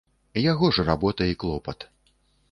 Яго ж работа і клопат.